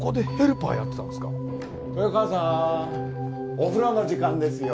お風呂の時間ですよ。